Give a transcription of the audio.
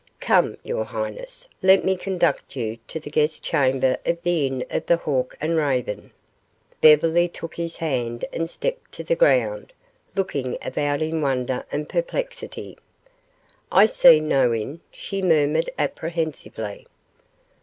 Come, your highness, let me conduct you to the guest chamber of the Inn of the Hawk and Raven." Beverly took his hand and stepped to the ground, looking about in wonder and perplexity. "I see no inn," she murmured apprehensively.